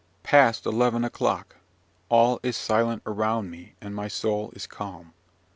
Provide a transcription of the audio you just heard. "Past eleven o'clock! All is silent around me, and my soul is calm.